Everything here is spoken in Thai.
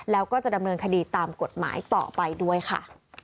แล้วก็จะดำเนินคดีตามกฎหมายต่อไปด้วยค่ะ